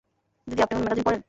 দিদি, আপনি কোন ম্যাগাজিন পড়েন?